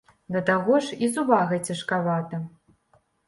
Да таго ж, і з увагай цяжкавата.